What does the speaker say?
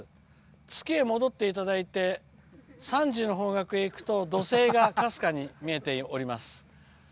月へ戻っていただいて３時の方角にいくと土星がかすかに見えております。